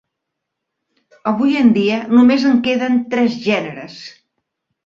Avui en dia només en queden tres gèneres.